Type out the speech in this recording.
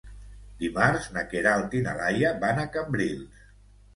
Dimarts na Queralt i na Laia van a Cambrils.